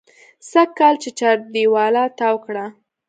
سږکال یې چاردېواله تاو کړه.